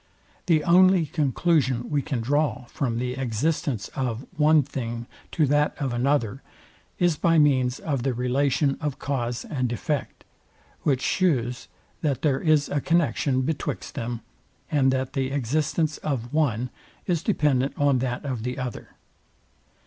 The only conclusion we can draw from the existence of one thing to that of another, is by means of the relation of cause and effect, which shews, that there is a connexion betwixt them, and that the existence of one is dependent on that of the other.